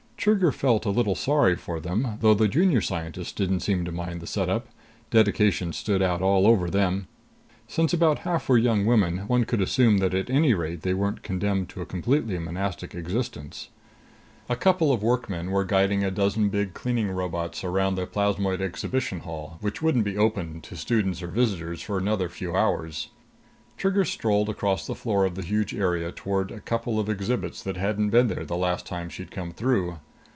Trigger felt a little sorry for them, though the Junior Scientists didn't seem to mind the setup. Dedication stood out all over them. Since about half were young women, one could assume that at any rate they weren't condemned to a completely monastic existence. A couple of workmen were guiding a dozen big cleaning robots around the Plasmoid Exhibition Hall, which wouldn't be open to students or visitors for another few hours. Trigger strolled across the floor of the huge area toward a couple of exhibits that hadn't been there the last time she'd come through.